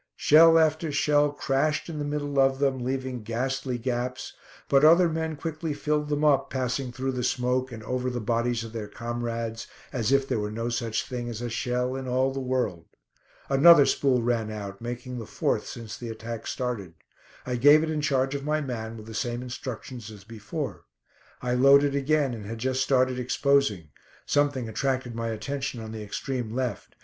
Shell after shell crashed in the middle of them, leaving ghastly gaps, but other men quickly filled them up, passing through the smoke, and over the bodies of their comrades, as if there were no such thing as a shell in all the world. Another spool ran out, making the fourth since the attack started. I gave it in charge of my man, with the same instructions as before. I loaded again, and had just started exposing. Something attracted my attention on the extreme left.